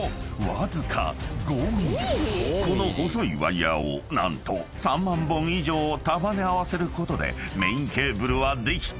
［この細いワイヤを何と３万本以上束ね合わせることでメインケーブルはできているのだ］